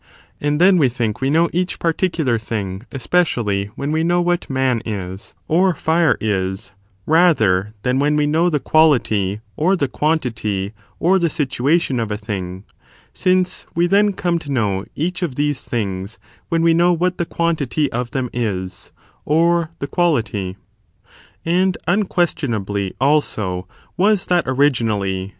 And then we think we know each particular thing, especially, when we know what man is, or fire is, rather thto when we know the quality, or the quantity, or the situation of a thing ; since we then come to know each of these things when we faiow what the quantity of them is, or the quality. And unquestionably, also, was that originally, j.